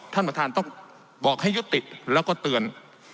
ท่านประธานต้องบอกให้ยุติแล้วก็เตือน